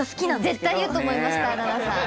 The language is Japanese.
絶対言うと思いました奈々さん。